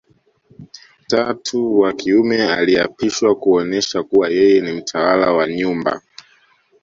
Tatu wa kiume aliapishwa kuonesha kuwa yeye ni mtawala wa nyumba